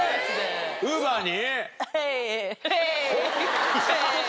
Ｕｂｅｒに？